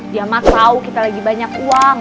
dia mah tau kita lagi banyak uang